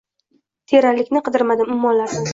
Teranlikni kidirmadim ummonlardan